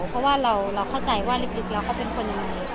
เพราะว่าเราเข้าใจว่าลึกแล้วเขาเป็นคนยังไง